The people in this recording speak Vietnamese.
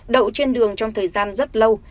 đậu trên đường trong thời gian rất lâu